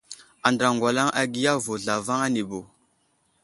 Andra ŋgwalaŋ agiya vo zlavaŋ anibo.